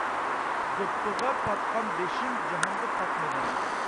دوپپىغا پاتقان بېشىم جاھانغا پاتمىدى.